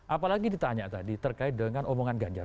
apalagi ditanya tadi terkait dengan omongan ganjar